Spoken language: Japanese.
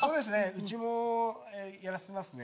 うちもやらせてますね。